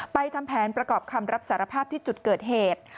ทำแผนประกอบคำรับสารภาพที่จุดเกิดเหตุ